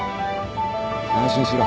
安心しろ。